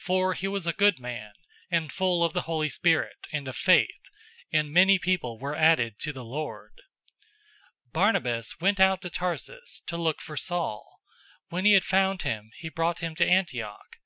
011:024 For he was a good man, and full of the Holy Spirit and of faith, and many people were added to the Lord. 011:025 Barnabas went out to Tarsus to look for Saul. 011:026 When he had found him, he brought him to Antioch.